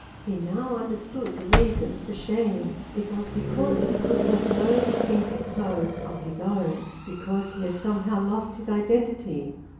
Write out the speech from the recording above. He now understood the reason for shame; it was because he could have no distinctive clothes of his own, because he had somehow lost his identity.